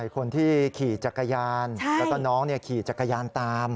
คนที่ขี่จักรยานแล้วก็น้องขี่จักรยานตาม